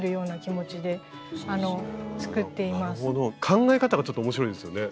考え方がちょっと面白いですよね。